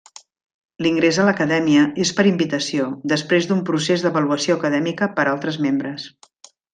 L'ingrés a l'Acadèmia és per invitació, després d'un procés d'avaluació acadèmica per altres membres.